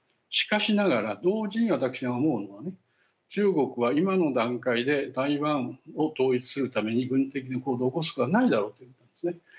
しかしながら同時に私が思うのはね中国は今の段階で台湾を統一するために軍事的に行動を起こすことはないだろうということですね。